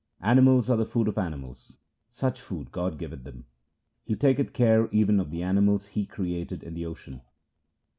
Animals are the food of animals, such food God giveth them ; Hetaketh care even of the animals He created in the ocean.